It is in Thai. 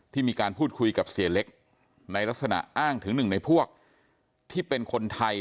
ที่มีการพูดคุยกับเสียเล็กในลักษณะอ้างถึงหนึ่งในพวกที่เป็นคนไทย